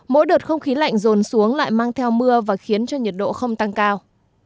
mỗi đợt không khí lạnh rồn xuống lại mang theo mưa và khiến cho nhiệt độ không tăng cao